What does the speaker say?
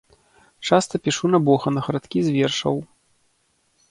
Часта пішу на боханах радкі з вершаў.